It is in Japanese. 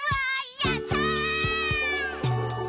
やったー！」